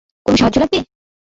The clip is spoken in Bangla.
কোনো সাহায্য লাগবে?